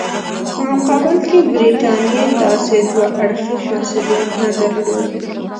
په مقابل کې برټانیې داسې دوه اړخیز مسولیت نه درلود.